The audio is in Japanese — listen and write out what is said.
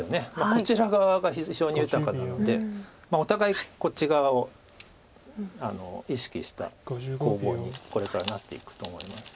こちら側が非常に豊かなのでお互いこっち側を意識した攻防にこれからなっていくと思います。